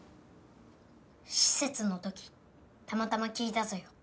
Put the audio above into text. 施設の時たまたま聞いたぞよ。